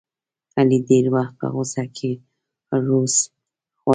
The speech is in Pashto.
علي ډېری وخت په غوسه کې روض غږوي.